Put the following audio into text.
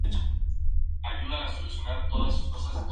Furiosa, pelea con Genaro y termina matándolo.